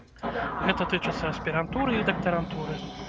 Гэта тычыцца аспірантуры і дактарантуры.